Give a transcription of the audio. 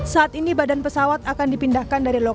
saat ini badan pesawat akan dipindahkan dari lokasi